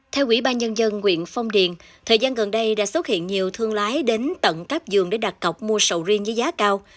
theo quỹ ba nhân dân huyện phong điền thời gian gần đây đã xuất hiện nhiều thương lái đến tận các giường để đặt cọc mua sầu riêng với giá cao